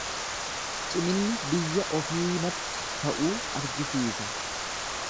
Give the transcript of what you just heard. Ciminni biyya ofiimatti ta'uu argisiisa.